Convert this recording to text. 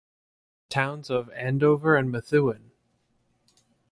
Towns of Andover and Methuen.